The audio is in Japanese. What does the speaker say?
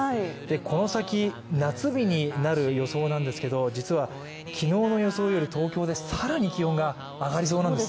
この先、夏日になる予想なんですけど、実は昨日の予想より東京で更に気温が上がりそうなんです。